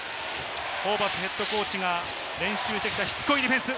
ホーバスＨＣが練習してきたしつこいディフェンス。